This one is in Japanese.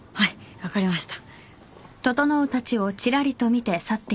分かりました。